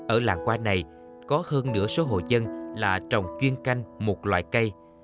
ở làng hoa này có hơn nửa số hồ dân là trồng chuyên canh một loài cây